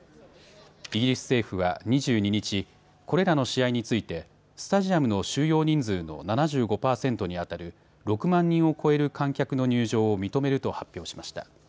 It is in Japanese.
イギリス政府は２２日、これらの試合についてスタジアムの収容人数の７５％にあたる６万人を超える観客の入場を認めると発表しました。